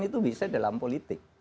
itu bisa dalam politik